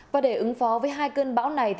và để ứng phó với hai cơn bão này